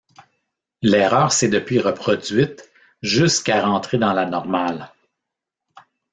L'erreur s'est depuis reproduite, jusqu'à rentrer dans la normale.